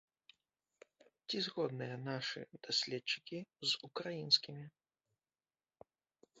Ці згодныя нашы даследчыкі з украінскімі?